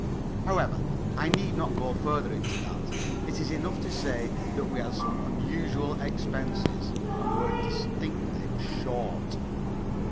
However, I need not go further into that. It is enough to say that we had some unusual expenses, and were distinctly short.